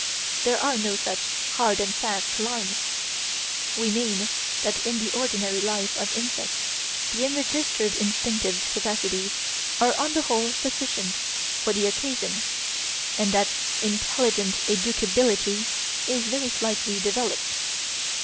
There are no such hard and fast lines. We mean that in the ordinary life of insects the enregistered instinctive capacities are on the whole sufficient for the occasion, and that intelligent educability is very slightly developed.